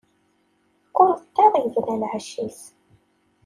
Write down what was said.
Kull ṭṭir ibna lεecc-is.